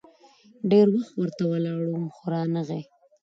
ډېر وخت ورته ولاړ وم ، خو رانه غی.